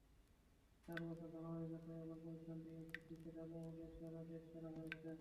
চার বছরের ধারাবাহিকতায় এবারও প্রতিষ্ঠানটি এইচএসসিতে ঢাকা বোর্ডে সেরাদের সেরা হয়েছে।